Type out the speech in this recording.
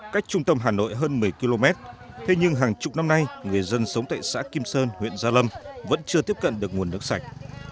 cách trung tâm hà nội hơn một mươi km thế nhưng hàng chục năm nay người dân sống tại xã kim sơn huyện gia lâm vẫn chưa tiếp cận được nguồn nước sạch